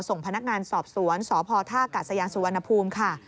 ส่งพนักงานสอบสวนสภธกศสุวรรณภูมิค่ะ